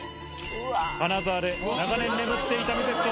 金沢で長年眠っていたミゼット。